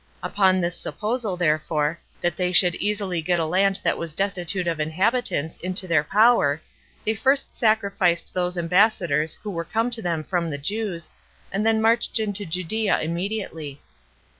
Upon this supposal, therefore, that they should easily get a land that was destitute of inhabitants into their power, they first sacrificed those ambassadors who were come to them from the Jews, and then marched into Judea immediately.